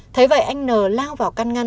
thấy vậy anh n lao vào căn ngăn